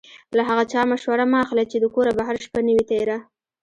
له هغه چا مشوره مه اخلئ چې د کوره بهر شپه نه وي تېره.